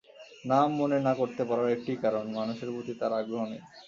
নাম মনে না করতে পারার একটিই কারণ-মানুষের প্রতি তাঁর আগ্রহ নেই।